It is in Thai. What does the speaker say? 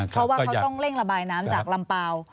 เพราะว่าเขาต้องเร่งระบายน้ำจากลำเปล่า